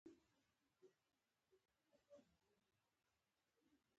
د وازدې بوی پرې ښه نه دی لګېدلی او یې ځوروي.